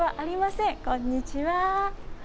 こんにちは。